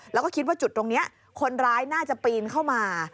แล้วก็คิดว่าจุดตรงนี้คนร้ายน่าจะปีนเข้ามา